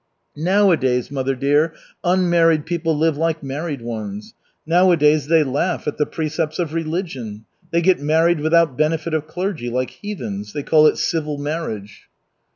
"Nowadays, mother dear, unmarried people live like married ones. Nowadays they laugh at the precepts of religion. They get married without benefit of clergy, like heathens. They call it civil marriage."